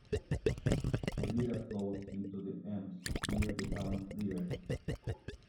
The Leda flows into the Ems near the town of Leer.